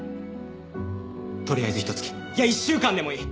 とりあえずひと月いや１週間でもいい。